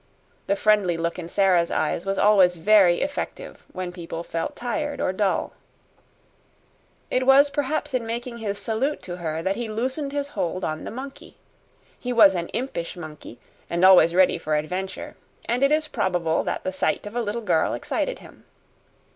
The friendly look in Sara's eyes was always very effective when people felt tired or dull. It was perhaps in making his salute to her that he loosened his hold on the monkey. He was an impish monkey and always ready for adventure, and it is probable that the sight of a little girl excited him.